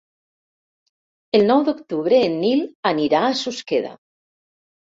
El nou d'octubre en Nil anirà a Susqueda.